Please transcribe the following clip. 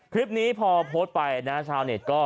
คลิปนี้พอโพสต์ไปนะชาวเน็ตก็